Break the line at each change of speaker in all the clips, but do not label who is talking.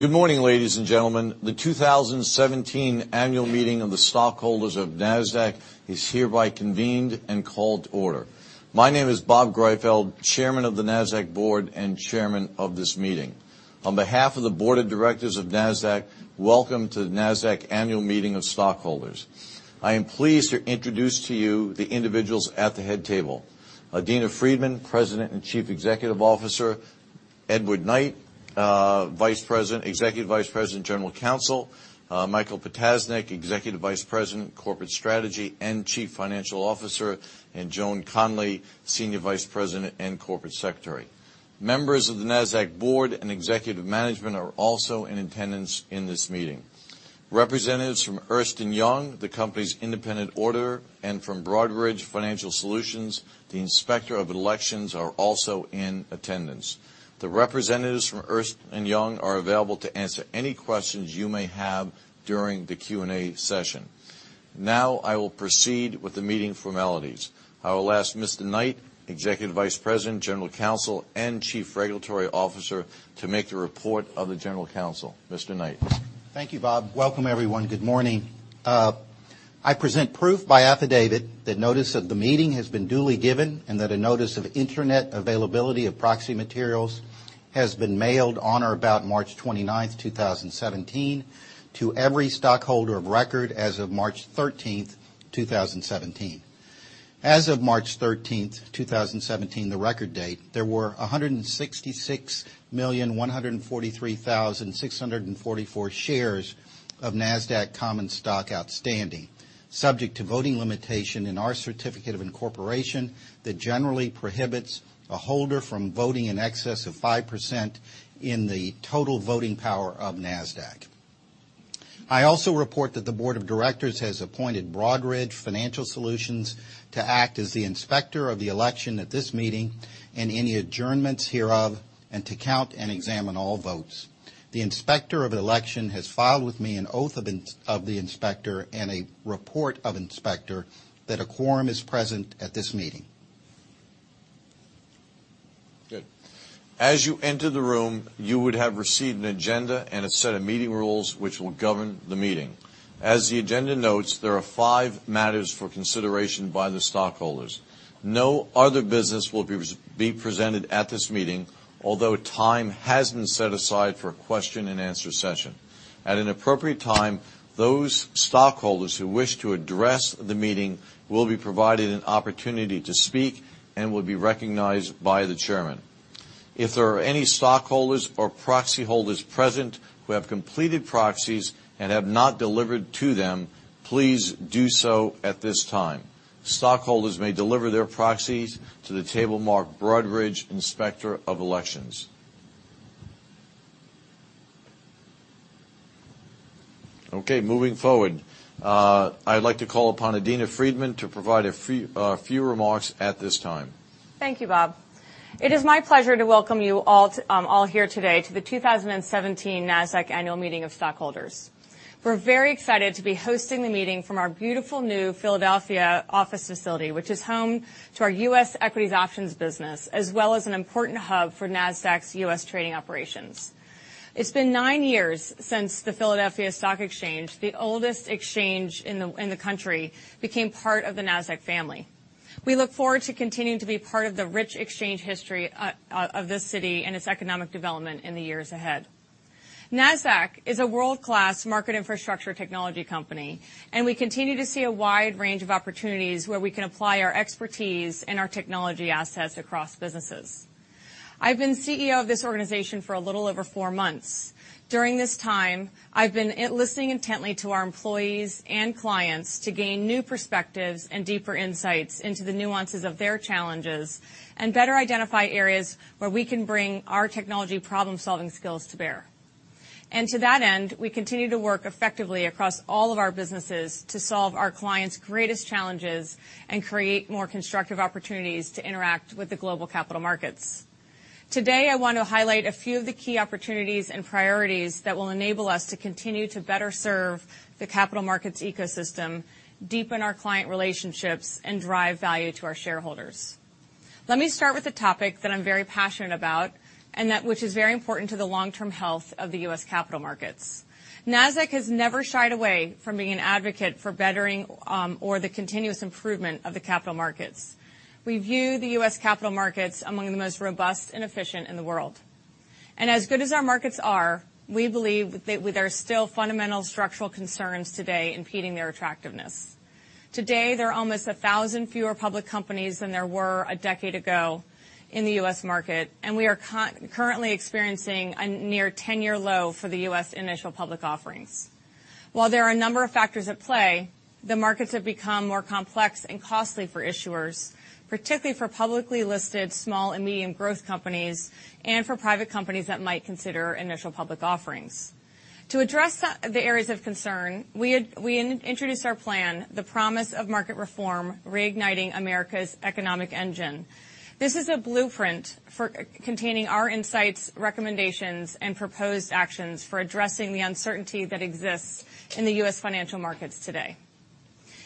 Good morning, ladies and gentlemen. The 2017 annual meeting of the stockholders of Nasdaq is hereby convened and called to order. My name is Bob Greifeld, Chairman of the Nasdaq Board and Chairman of this meeting. On behalf of the Board of Directors of Nasdaq, welcome to the Nasdaq Annual Meeting of Stockholders. I am pleased to introduce to you the individuals at the head table. Adena Friedman, President and Chief Executive Officer, Edward Knight, Executive Vice President, General Counsel, Michael Ptasznik, Executive Vice President, Corporate Strategy and Chief Financial Officer, and Joan Conley, Senior Vice President and Corporate Secretary. Members of the Nasdaq Board and executive management are also in attendance in this meeting. Representatives from Ernst & Young, the company's independent auditor, and from Broadridge Financial Solutions, the inspector of elections, are also in attendance. The representatives from Ernst & Young are available to answer any questions you may have during the Q&A session. I will proceed with the meeting formalities. I will ask Mr. Knight, Executive Vice President, General Counsel, and Chief Regulatory Officer, to make the report of the General Counsel. Mr. Knight.
Thank you, Bob. Welcome, everyone. Good morning. I present proof by affidavit that notice of the meeting has been duly given and that a notice of internet availability of proxy materials has been mailed on or about March 29, 2017, to every stockholder of record as of March 13, 2017. As of March 13, 2017, the record date, there were 166,143,644 shares of Nasdaq common stock outstanding, subject to voting limitation in our certificate of incorporation that generally prohibits a holder from voting in excess of 5% in the total voting power of Nasdaq. I also report that the Board of Directors has appointed Broadridge Financial Solutions to act as the inspector of the election at this meeting and any adjournments hereof, and to count and examine all votes. The inspector of election has filed with me an oath of the inspector and a report of inspector that a quorum is present at this meeting.
Good. As you enter the room, you would have received an agenda and a set of meeting rules which will govern the meeting. As the agenda notes, there are five matters for consideration by the stockholders. No other business will be presented at this meeting, although time has been set aside for a question and answer session. At an appropriate time, those stockholders who wish to address the meeting will be provided an opportunity to speak and will be recognized by the chairman. If there are any stockholders or proxy holders present who have completed proxies and have not delivered to them, please do so at this time. Stockholders may deliver their proxies to the table marked Broadridge Inspector of Elections. Okay, moving forward. I'd like to call upon Adena Friedman to provide a few remarks at this time.
Thank you, Bob. It is my pleasure to welcome you all here today to the 2017 Nasdaq Annual Meeting of Stockholders. We're very excited to be hosting the meeting from our beautiful new Philadelphia office facility, which is home to our U.S. equities options business, as well as an important hub for Nasdaq's U.S. trading operations. It's been nine years since the Philadelphia Stock Exchange, the oldest exchange in the country, became part of the Nasdaq family. We look forward to continuing to be part of the rich exchange history of this city and its economic development in the years ahead. Nasdaq is a world-class market infrastructure technology company, and we continue to see a wide range of opportunities where we can apply our expertise and our technology assets across businesses. I've been CEO of this organization for a little over four months. During this time, I've been listening intently to our employees and clients to gain new perspectives and deeper insights into the nuances of their challenges and better identify areas where we can bring our technology problem-solving skills to bear. To that end, we continue to work effectively across all of our businesses to solve our clients' greatest challenges and create more constructive opportunities to interact with the global capital markets. Today, I want to highlight a few of the key opportunities and priorities that will enable us to continue to better serve the capital markets ecosystem, deepen our client relationships, and drive value to our shareholders. Let me start with a topic that I'm very passionate about and that which is very important to the long-term health of the U.S. capital markets. Nasdaq has never shied away from being an advocate for bettering or the continuous improvement of the capital markets. We view the U.S. capital markets among the most robust and efficient in the world. As good as our markets are, we believe that there are still fundamental structural concerns today impeding their attractiveness. Today, there are almost 1,000 fewer public companies than there were a decade ago in the U.S. market, and we are currently experiencing a near 10-year low for the U.S. initial public offerings. While there are a number of factors at play, the markets have become more complex and costly for issuers, particularly for publicly listed small and medium growth companies and for private companies that might consider initial public offerings. To address the areas of concern, we introduced our plan, The Promise of Market Reform: Reigniting America's Economic Engine. This is a blueprint containing our insights, recommendations, and proposed actions for addressing the uncertainty that exists in the U.S. financial markets today.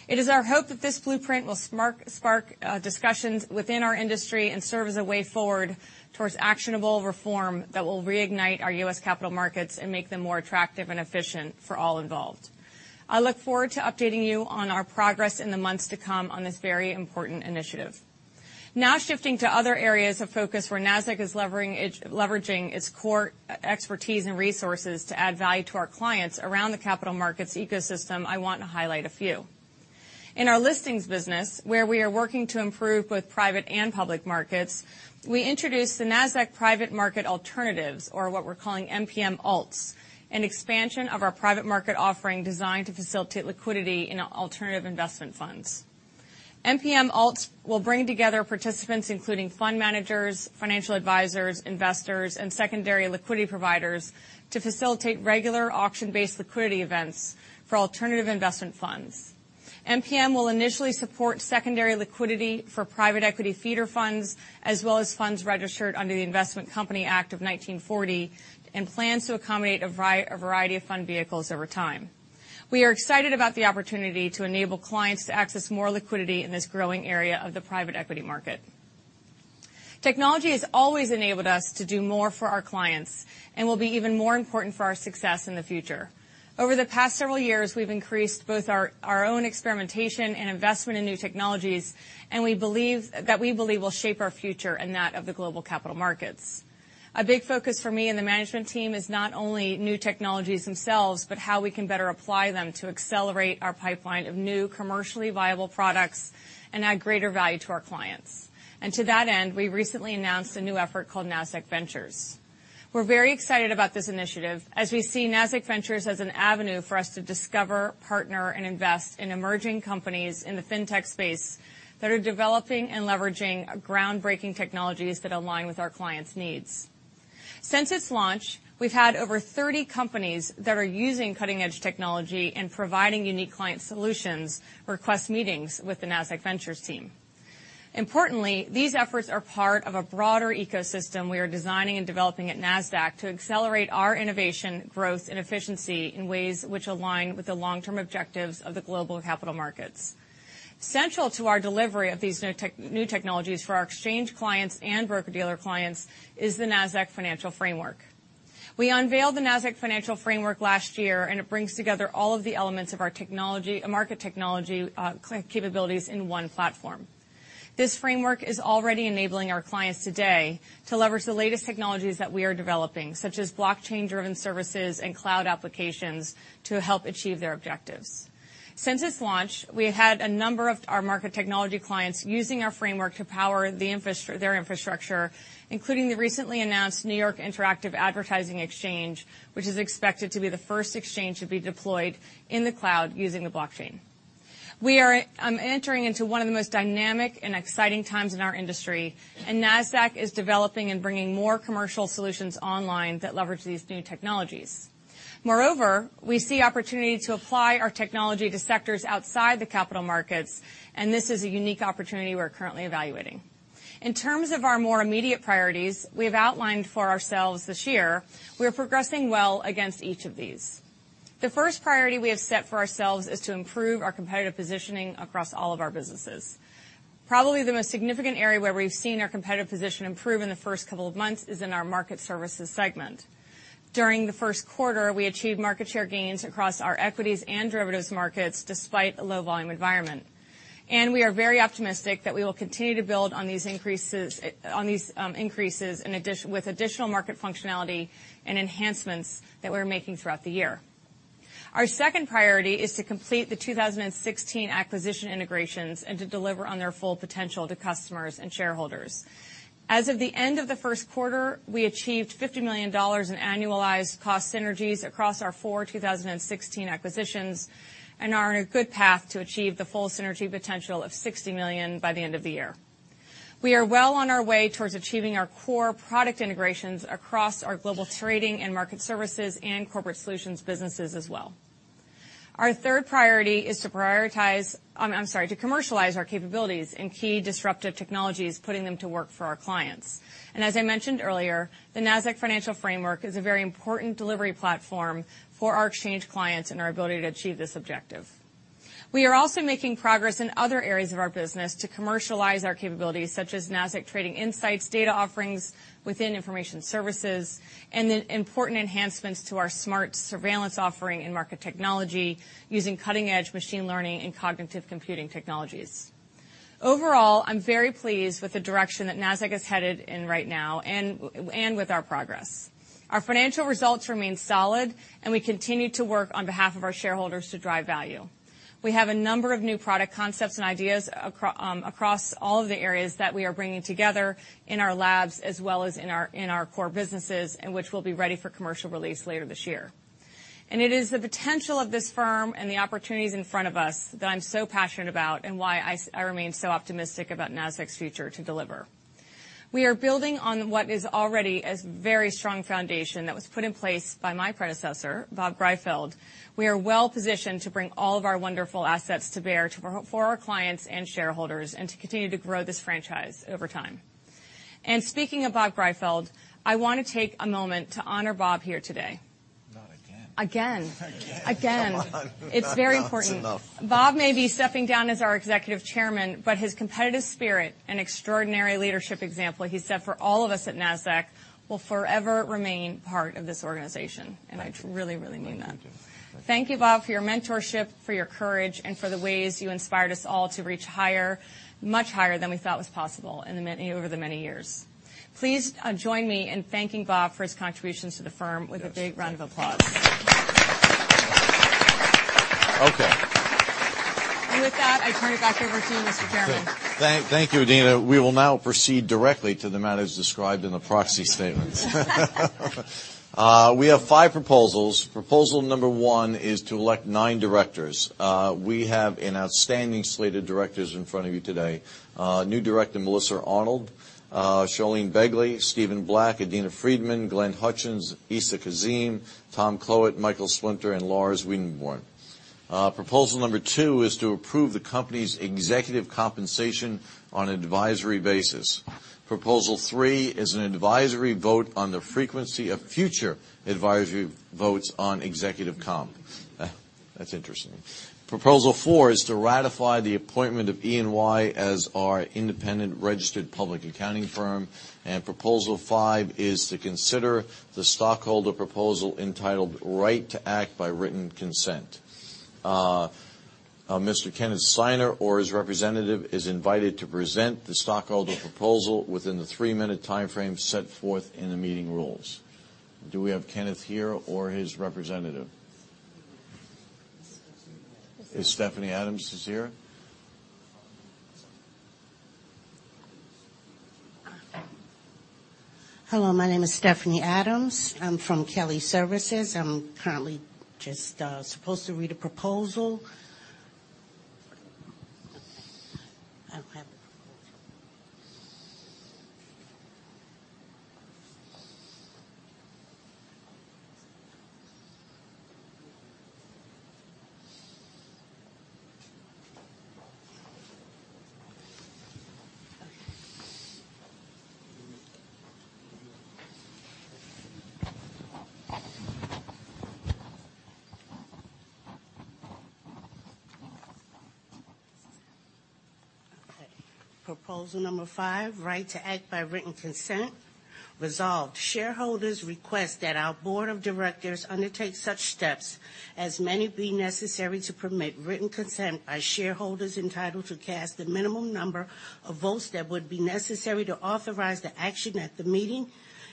It is our hope that this blueprint will spark discussions within our industry and serve as a way forward towards actionable reform that will reignite our U.S. capital markets and make them more attractive and efficient for all involved. I look forward to updating you on our progress in the months to come on this very important initiative. Shifting to other areas of focus where Nasdaq is leveraging its core expertise and resources to add value to our clients around the capital markets ecosystem, I want to highlight a few. In our listings business, where we are working to improve both private and public markets, we introduced the Nasdaq Private Market Alternatives, or what we're calling NPM Alts, an expansion of our private market offering designed to facilitate liquidity in alternative investment funds. NPM Alts will bring together participants including fund managers, financial advisors, investors, and secondary liquidity providers to facilitate regular auction-based liquidity events for alternative investment funds. NPM will initially support secondary liquidity for private equity feeder funds, as well as funds registered under the Investment Company Act of 1940 and plans to accommodate a variety of fund vehicles over time. We are excited about the opportunity to enable clients to access more liquidity in this growing area of the private equity market. Technology has always enabled us to do more for our clients and will be even more important for our success in the future. Over the past several years, we've increased both our own experimentation and investment in new technologies, that we believe will shape our future and that of the global capital markets. A big focus for me and the management team is not only new technologies themselves, but how we can better apply them to accelerate our pipeline of new commercially viable products and add greater value to our clients. To that end, we recently announced a new effort called Nasdaq Ventures. We're very excited about this initiative as we see Nasdaq Ventures as an avenue for us to discover, partner, and invest in emerging companies in the fintech space that are developing and leveraging groundbreaking technologies that align with our clients' needs. Since its launch, we've had over 30 companies that are using cutting-edge technology and providing unique client solutions request meetings with the Nasdaq Ventures team. Importantly, these efforts are part of a broader ecosystem we are designing and developing at Nasdaq to accelerate our innovation, growth, and efficiency in ways which align with the long-term objectives of the global capital markets. Central to our delivery of these new technologies for our exchange clients and broker-dealer clients is the Nasdaq Financial Framework. We unveiled the Nasdaq Financial Framework last year, and it brings together all of the elements of our market technology capabilities in one platform. This framework is already enabling our clients today to leverage the latest technologies that we are developing, such as blockchain-driven services and cloud applications to help achieve their objectives. Since its launch, we have had a number of our market technology clients using our framework to power their infrastructure, including the recently announced New York Interactive Advertising Exchange, which is expected to be the first exchange to be deployed in the cloud using the blockchain. Nasdaq is developing and bringing more commercial solutions online that leverage these new technologies. Moreover, we see opportunity to apply our technology to sectors outside the capital markets, this is a unique opportunity we're currently evaluating. In terms of our more immediate priorities we have outlined for ourselves this year, we are progressing well against each of these. The first priority we have set for ourselves is to improve our competitive positioning across all of our businesses. Probably the most significant area where we've seen our competitive position improve in the first couple of months is in our market services segment. During the first quarter, we achieved market share gains across our equities and derivatives markets, despite a low volume environment. We are very optimistic that we will continue to build on these increases with additional market functionality and enhancements that we're making throughout the year. Our second priority is to complete the 2016 acquisition integrations and to deliver on their full potential to customers and shareholders. As of the end of the first quarter, we achieved $50 million in annualized cost synergies across our four 2016 acquisitions and are on a good path to achieve the full synergy potential of $60 million by the end of the year. We are well on our way towards achieving our core product integrations across our global trading and market services and corporate solutions businesses as well. Our third priority is to commercialize our capabilities in key disruptive technologies, putting them to work for our clients. As I mentioned earlier, the Nasdaq Financial Framework is a very important delivery platform for our exchange clients and our ability to achieve this objective. We are also making progress in other areas of our business to commercialize our capabilities, such as Nasdaq Trading Insights, data offerings within information services, and then important enhancements to our smart surveillance offering and market technology using cutting-edge machine learning and cognitive computing technologies. Overall, I'm very pleased with the direction that Nasdaq is headed in right now and with our progress. Our financial results remain solid, we continue to work on behalf of our shareholders to drive value. We have a number of new product concepts and ideas across all of the areas that we are bringing together in our labs as well as in our core businesses, which will be ready for commercial release later this year. It is the potential of this firm and the opportunities in front of us that I'm so passionate about and why I remain so optimistic about Nasdaq's future to deliver. We are building on what is already a very strong foundation that was put in place by my predecessor, Bob Greifeld. We are well positioned to bring all of our wonderful assets to bear for our clients and shareholders and to continue to grow this franchise over time. Speaking of Bob Greifeld, I want to take a moment to honor Bob here today.
Not again.
Again.
Again.
Again.
Come on.
It's very important.
That's enough.
Bob may be stepping down as our Executive Chairman, his competitive spirit and extraordinary leadership example he set for all of us at Nasdaq will forever remain part of this organization.
Thank you.
I really mean that.
Thank you.
Thank you, Bob, for your mentorship, for your courage, and for the ways you inspired us all to reach higher, much higher than we thought was possible over the many years. Please join me in thanking Bob for his contributions to the firm with a big round of applause.
Okay.
With that, I turn it back over to you, Mr. Chairman.
Thank you, Adena. We will now proceed directly to the matters described in the proxy statements. We have five proposals. Proposal Number 1 is to elect nine directors. We have an outstanding slate of directors in front of you today. New director Melissa Arnoldi, Charlene Begley, Steven Black, Adena Friedman, Glenn Hutchins, Essa Kazim, Tom Kloet, Michael Splinter, and Lars Wedenborn. Proposal Number 2 is to approve the company's executive compensation on an advisory basis. Proposal 3 is an advisory vote on the frequency of future advisory votes on executive comp. That's interesting. Proposal 4 is to ratify the appointment of EY as our independent registered public accounting firm. Proposal 5 is to consider the stockholder proposal entitled Right to Act by Written Consent. Mr. Kenneth Steiner or his representative is invited to present the stockholder proposal within the three-minute timeframe set forth in the meeting rules. Do we have Kenneth here or his representative? Is Stephanie Adams here?
Hello, my name is Stephanie Adams. I'm from Kelly Services. I'm currently just supposed to read a proposal. I don't have the proposal. Okay. Proposal number 5, Right to Act by Written Consent. Resolved, shareholders request that our board of directors undertake such steps as may be necessary to permit written consent by shareholders entitled to cast the minimum number of votes that would be necessary to authorize the action at the meeting,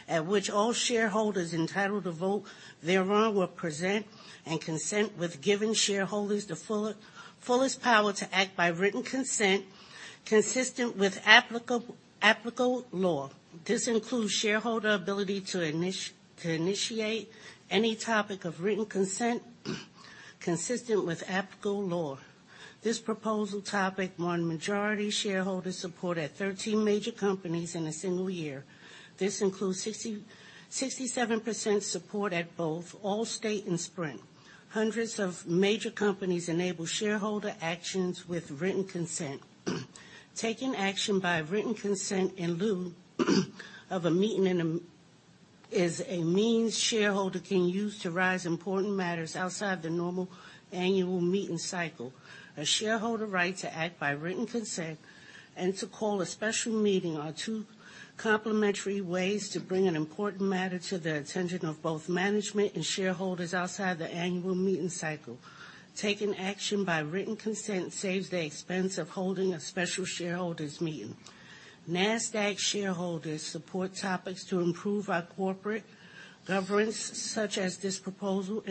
at which all shareholders entitled to vote thereon were present, and consent with giving shareholders the fullest power to act by written consent consistent with applicable law. This includes shareholder ability to initiate any topic of written consent consistent with applicable law. This proposal topic won majority shareholder support at 13 major companies in a single year. This includes 67% support at both Allstate and Sprint. Hundreds of major companies enable shareholder actions with written consent. Taking action by written consent in lieu of a meeting is a means shareholder can use to raise important matters outside the normal annual meeting cycle. A shareholder right to act by written consent and to call a special meeting are two complementary ways to bring an important matter to the attention of both management and shareholders outside the annual meeting cycle. Taking action by written consent saves the expense of holding a special shareholders meeting. Nasdaq shareholders support topics to improve our corporate governance, such as this proposal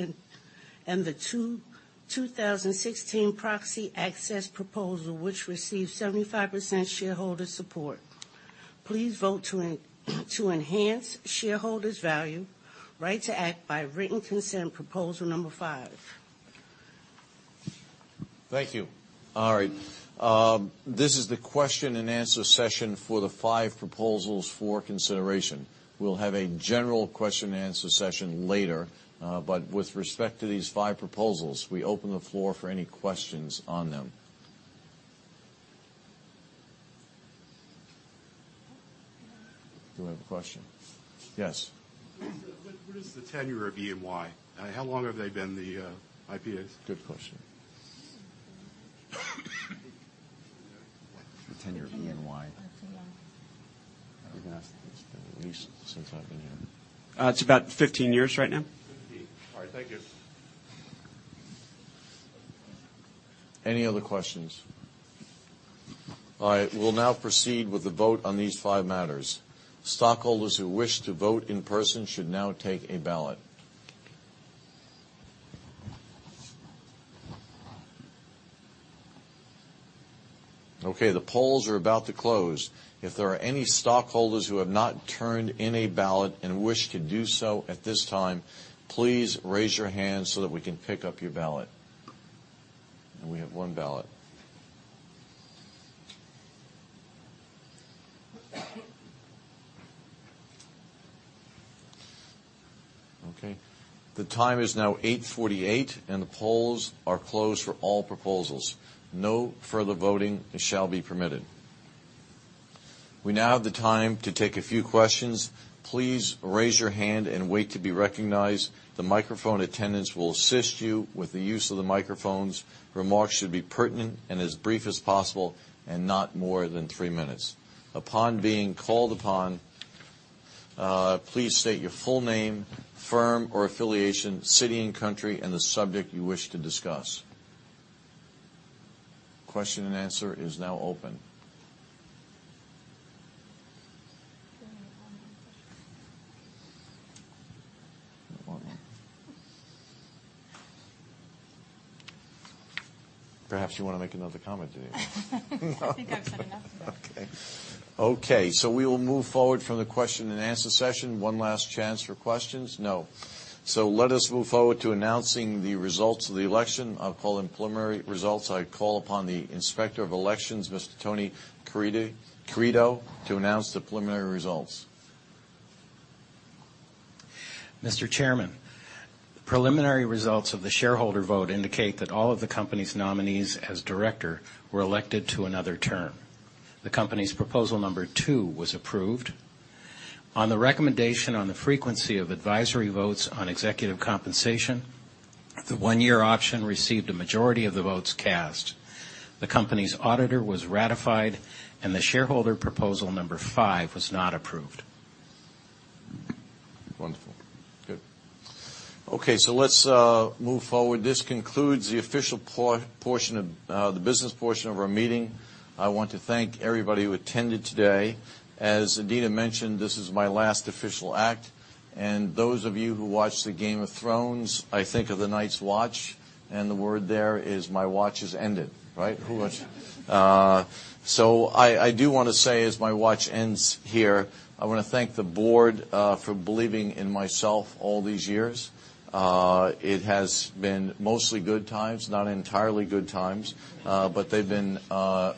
and the 2016 proxy access proposal, which received 75% shareholder support. Please vote to enhance shareholders' value, Right to Act by Written Consent, Proposal Number 5.
Thank you. All right. This is the question-and-answer session for the five proposals for consideration. We'll have a general question and answer session later. With respect to these five proposals, we open the floor for any questions on them. Do I have a question? Yes.
What is the tenure of EY? How long have they been the IPAs?
Good question. The tenure of EY?
EY.
It's been at least since I've been here.
It's about 15 years right now.
15. All right. Thank you.
Any other questions? All right. We'll now proceed with the vote on these five matters. Stockholders who wish to vote in person should now take a ballot. Okay. The polls are about to close. If there are any stockholders who have not turned in a ballot and wish to do so at this time, please raise your hand so that we can pick up your ballot. We have one ballot. Okay. The time is now 8:48, and the polls are closed for all proposals. No further voting shall be permitted. We now have the time to take a few questions. Please raise your hand and wait to be recognized. The microphone attendants will assist you with the use of the microphones. Remarks should be pertinent and as brief as possible, and not more than three minutes. Upon being called upon, please state your full name, firm or affiliation, city and country, and the subject you wish to discuss. Question and answer is now open.
Do you want to take one more question?
One more. Perhaps you want to make another comment, do you?
I think I've said enough today.
Okay. Okay, we will move forward from the question and answer session. One last chance for questions. No. Let us move forward to announcing the results of the election. I'll call in preliminary results. I call upon the Inspector of Elections, Mr. Tony Carideo, to announce the preliminary results.
Mr. Chairman, preliminary results of the shareholder vote indicate that all of the company's nominees as director were elected to another term. The company's Proposal Number 2 was approved. On the recommendation on the frequency of advisory votes on executive compensation, the one-year option received a majority of the votes cast. The company's auditor was ratified, the shareholder Proposal Number 5 was not approved.
Wonderful. Good. Okay, let's move forward. This concludes the official portion, the business portion of our meeting. I want to thank everybody who attended today. As Adena mentioned, this is my last official act, and those of you who watch the Game of Thrones, I think of the Night's Watch, and the word there is my watch is ended, right? Who watch? I do want to say, as my watch ends here, I want to thank the board, for believing in myself all these years. It has been mostly good times, not entirely good times. They've been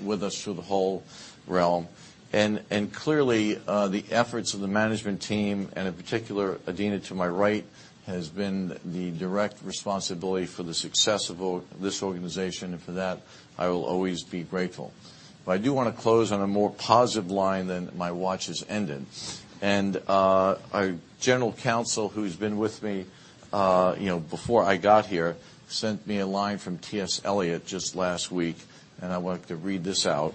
with us through the whole realm. Clearly, the efforts of the management team, and in particular, Adena to my right, has been the direct responsibility for the success of this organization. For that, I will always be grateful. I do want to close on a more positive line than my watch is ended. Our general counsel, who's been with me before I got here, sent me a line from T.S. Eliot just last week, and I wanted to read this out.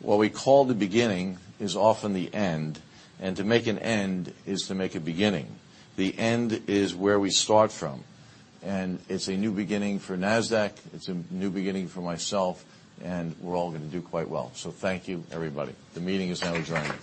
"What we call the beginning is often the end, and to make an end is to make a beginning. The end is where we start from." It's a new beginning for Nasdaq. It's a new beginning for myself, we're all going to do quite well. Thank you, everybody. The meeting is now adjourned.